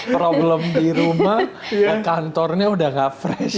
problem di rumah kantornya udah gak fresh